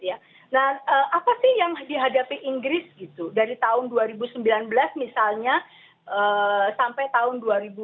nah apa sih yang dihadapi inggris gitu dari tahun dua ribu sembilan belas misalnya sampai tahun dua ribu dua puluh